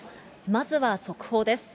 まずは速報です。